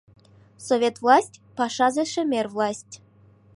«...Совет власть — пашазе шемер власть.